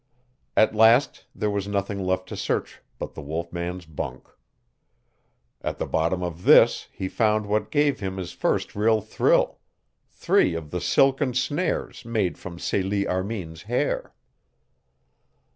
At last there was nothing left to search but the wolf man's bunk. At the bottom of this he found what gave him his first real thrill three of the silken snares made from Celie Armin's hair.